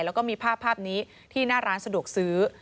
แล้วก็มีภาพนี้ที่หน้าร้านสะดวกซื้อ